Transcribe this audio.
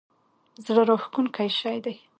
زړه راښکونکی شی دی.